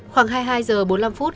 khoảng hai mươi hai h bốn mươi năm phút